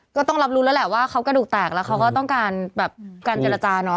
ก็ต้องรับรู้แล้วแหละว่าเขากระดูกแตกแล้วเขาก็ต้องการแบบการเจรจาเนาะ